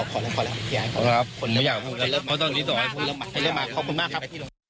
ขอขอบคุณมากครับ